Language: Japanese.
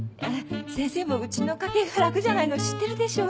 先生もうちの家計が楽じゃないの知ってるでしょ？